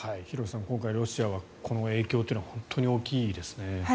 廣瀬さん、今回ロシアはこの影響というのは非常に大きいですね。